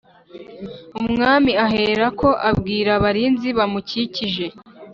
Umwami aherako abwira abarinzi bamukikije